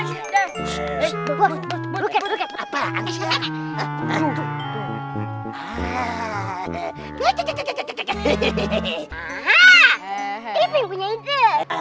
ipin punya itu